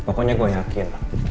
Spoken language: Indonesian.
pokoknya gue yakin